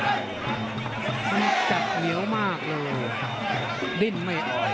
มันจัดเหนียวมากเลย